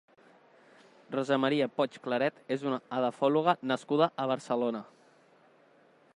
Rosa Maria Poch Claret és una edafòloga nascuda a Barcelona.